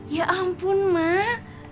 ya ampun mak